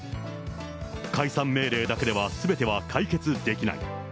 解散命令だけではすべては解決できない。